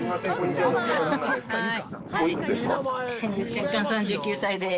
弱冠３９歳です。